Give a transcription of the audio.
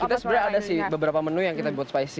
kita sebenarnya ada sih beberapa menu yang kita buat spicy